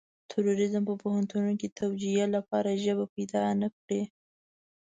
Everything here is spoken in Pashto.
تروريزم په پوهنتون کې د توجيه لپاره ژبه پيدا نه کړي.